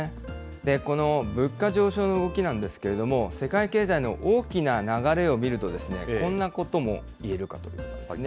この物価上昇の動きなんですけれども、世界経済の大きな流れを見ると、こんなことも言えるかと思いますね。